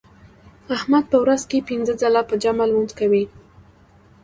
احمد په ورځ کې پینځه ځله په جمع لمونځ کوي.